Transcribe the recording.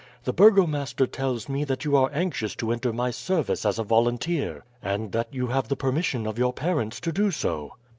The burgomaster tells me that you are anxious to enter my service as a volunteer, and that you have the permission of your parents to do so.